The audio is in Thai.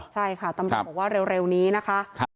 ใช่ค่ะตำรวจบอกว่าเร็วนี้นะคะ